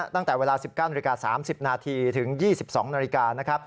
ตั้งแต่เวลา๑๙๓๐นถึง๒๒๐๐น